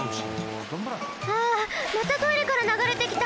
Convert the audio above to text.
あまたトイレからながれてきた！